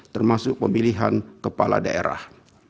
termasuk pemilihan kepala daerah